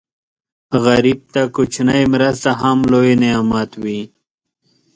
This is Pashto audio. غریب ته کوچنۍ مرسته هم لوی نعمت وي